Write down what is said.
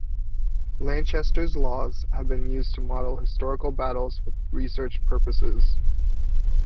Lanchester's laws have been used to model historical battles for research purposes.